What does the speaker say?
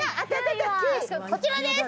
こちらです。